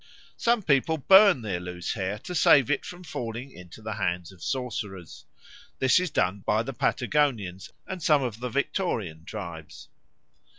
Some people burn their loose hair to save it from falling into the hands of sorcerers. This is done by the Patagonians and some of the Victorian tribes.